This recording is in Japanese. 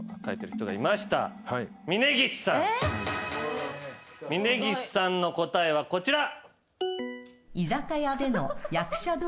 峯岸さんの答えはこちら。